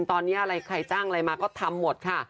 ตอนนี้อะไรใครจ้างอะไรมาก็ทำหมดค่ะ